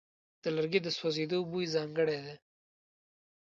د لرګي د سوځېدو بوی ځانګړی دی.